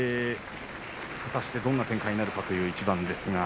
果たしてどんな展開になるかという一番です。